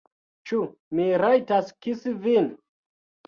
Ĉu mi rajtas kisi vin?